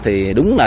thì đúng là